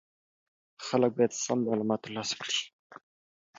خلک باید سم معلومات ترلاسه کړي.